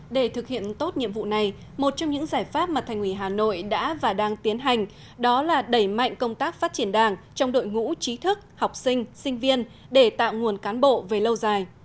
để thực hiện tốt nhiệm vụ này một trong những giải pháp mà thành ủy hà nội đã và đang tiến hành đó là đẩy mạnh công tác phát triển đảng trong đội ngũ trí thức học sinh sinh viên để tạo nguồn cán bộ về lâu dài